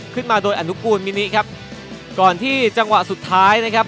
ขึ้นมาโดยอนุกูลมินิครับก่อนที่จังหวะสุดท้ายนะครับ